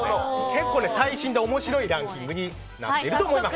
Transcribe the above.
結構最新で面白いランキングになっています。